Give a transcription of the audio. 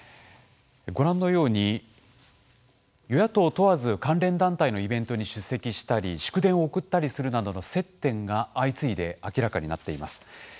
ご覧のように、与野党問わず関連団体のイベントに出席したり祝電を送ったりするなどの接点が相次いで明らかになっています。